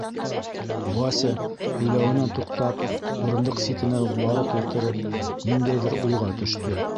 Вася, һөйләүенән туҡтап, урындыҡ ситенә үк барып ултырып, ниндәйҙер уйға төштө.